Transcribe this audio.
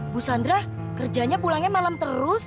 bu sandra kerjanya pulangnya malam terus